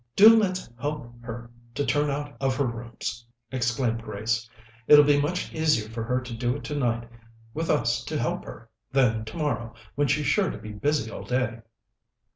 "Do let's help her to turn out of her rooms!" exclaimed Grace. "It'll be much easier for her to do it tonight, with us to help her, than tomorrow, when she's sure to be busy all day."